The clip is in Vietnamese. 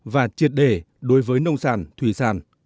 và triệt để đối với nông sản thủy sản